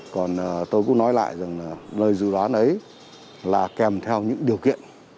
còn tôi cũng nói lại rằng là đời dự đoán đấy là kèm theo những điều kiện